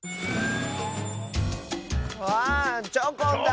あっチョコンだ！